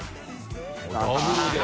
△ダブルで。